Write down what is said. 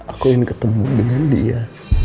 aku ingin ketemu dengan dia